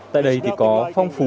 tại đây thì có phong phú